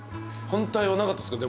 反対はなかったっすか？